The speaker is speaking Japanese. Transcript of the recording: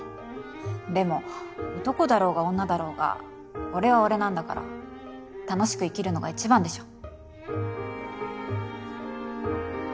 でも男だろうが女だろうが俺は俺なんだから楽しく生きるのが一番でしょ。